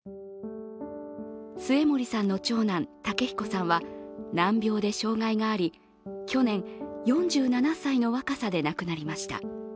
末盛さんの長男・武彦さんは難病で障害があり去年、４７歳の若さで亡くなりました。